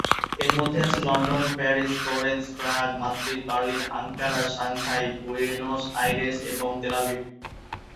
এর মধ্যে আছে London, Paris, Florence, Prague, Madrid, Berlin, Ankara, Shanghai, Buenos Aires, এবং তেল আভিভ।